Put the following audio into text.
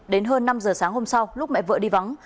đến hơn năm giờ sáng hôm sau lúc mẹ vợ đi vắng